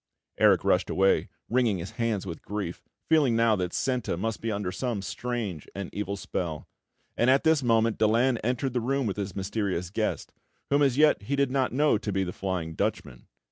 Erik rushed away, wringing his hands with grief, feeling now that Senta must be under some strange and evil spell; and at this moment Daland entered the room with his mysterious guest, whom as yet he did not know to be the Flying Dutchman.